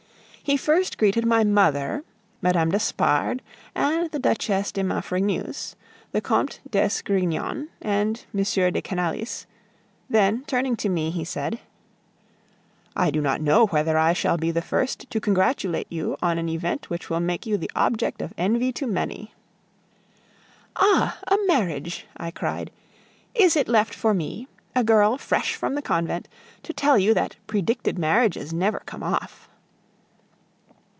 He first greeted my mother, Mme. d'Espard, and the Duchesse de Maufrigneuse, the Comte d'Esgrignon, and M. de Canalis; then turning to me, he said: "I do not know whether I shall be the first to congratulate you on an event which will make you the object of envy to many." "Ah! a marriage!" I cried. "Is it left for me, a girl fresh from the convent, to tell you that predicted marriages never come off."